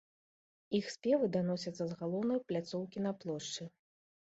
Іх спевы даносяцца з галоўнай пляцоўкі на плошчы.